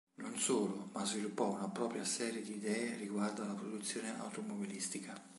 Non solo, ma sviluppò una propria serie di idee riguardo alla produzione automobilistica.